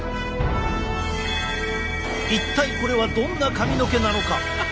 一体これはどんな髪の毛なのか？